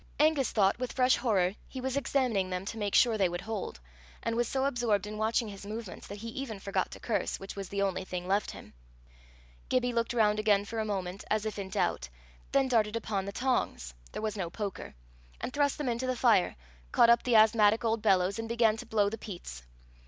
Angus thought, with fresh horror, he was examining them to make sure they would hold, and was so absorbed in watching his movements that he even forgot to curse, which was the only thing left him. Gibbie looked round again for a moment, as if in doubt, then darted upon the tongs there was no poker and thrust them into the fire, caught up the asthmatic old bellows, and began to blow the peats.